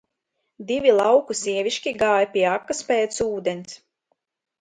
Divi lauku sievišķi gāja pie akas pēc ūdens.